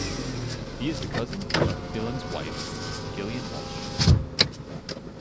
He is the cousin of Filan's wife, Gillian Walsh.